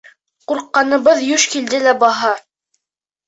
Ҡурҡҡаныбыҙ юш килде лә баһа...